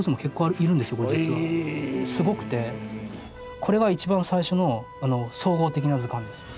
これが一番最初の総合的な図鑑です。